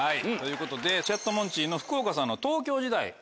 ということでチャットモンチーの福岡さんの東京時代。